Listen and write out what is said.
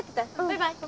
バイバイ！